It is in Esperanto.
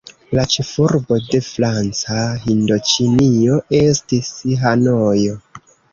La ĉefurbo de Franca Hindoĉinio estis Hanojo.